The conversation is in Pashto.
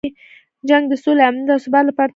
جنګ د سولې، امنیت او ثبات لپاره تهدید دی.